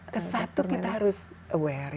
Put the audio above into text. kesatu kita harus aware